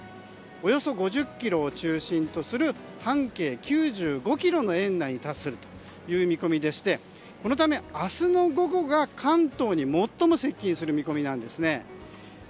およそ５０ｋｍを中心とする半径９５ｋｍの円内に達するという見込みでしてこのため、明日の午後が関東に最も接近する見込みなんですね。